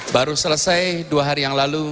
baru selesai dua hari yang lalu